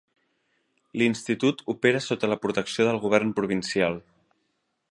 L'institut opera sota la protecció del govern provincial.